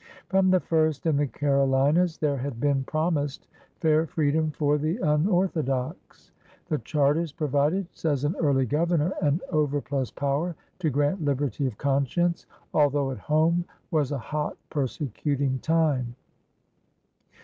From the first in the Carolinas there had been promised fair freedom for the unorthodox. The charters provided, says an early Governor, "an overplus power to grant liberty of conscience, al though at home was a hot persecuting time.